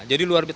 jadi luar biasa